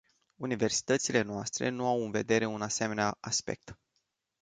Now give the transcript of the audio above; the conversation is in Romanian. Universitățile noastre nu au în vedere un asemenea aspect.